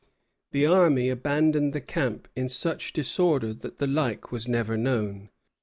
The army abandoned the camp in such disorder that the like was never known."